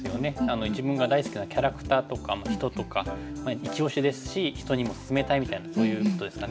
自分が大好きなキャラクターとか人とかイチオシですし人にも薦めたいみたいなそういうことですかね。